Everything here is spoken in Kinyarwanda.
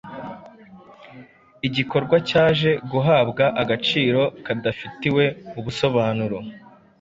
Iki gikorwa cyaje guhabwa agaciro kadafitiwe ubusobanuro,